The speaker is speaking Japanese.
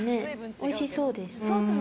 おいしそうです。